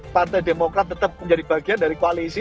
partai demokrat tetap menjadi bagian dari koalisi